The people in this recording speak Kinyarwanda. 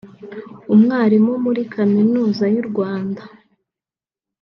umwarimu muri kaminuza y’u Rwanda